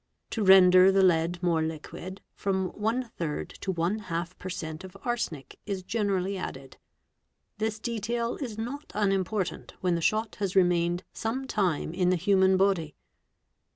To render the lead _ more liquid, from 4 to 4 per cent. of arsenic is generally added; this detail is not unimportant when the shot has remained sometime in the "human body.